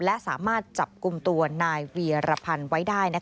และสามารถจับกลุ่มตัวนายเวียรพันธ์ไว้ได้